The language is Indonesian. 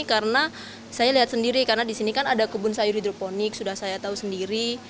karena saya lihat sendiri karena di sini kan ada kebun sayur hidroponik sudah saya tahu sendiri